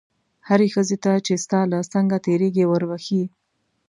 هرې ښځې ته چې ستا له څنګه تېرېږي وربښې.